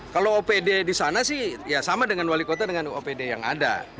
kalau opd di sana sih ya sama dengan wali kota dengan opd yang ada